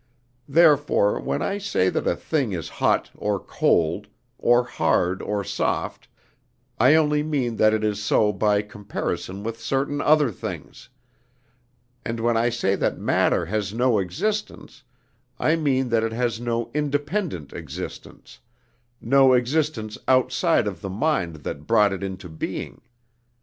Therefore when I say that a thing is hot or cold, or hard or soft, I only mean that it is so by comparison with certain other things; and when I say that matter has no existence, I mean that it has no independent existence no existence outside of the mind that brought it into being.